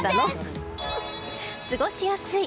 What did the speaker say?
過ごしやすい。